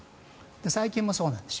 最近もそうなんです。